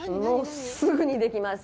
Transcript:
すぐにできます。